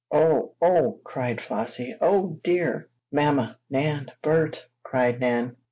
"Oh! Oh!" cried Flossie. "Oh, dear!" "Mamma! Nan! Bert!" cried Nan.